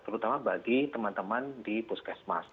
terutama bagi teman teman di puskesmas